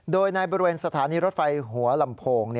โดยในบริเวณสถานีรถไฟหัวลำโพง